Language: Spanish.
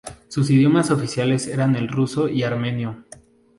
Sus idiomas oficiales eran el ruso y armenio.